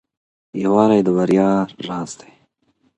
يووالی د بريا راز دی.